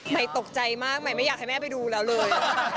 ใหม่ตกใจมากใหม่ไม่อยากให้แม่ไปดูแล้วเลย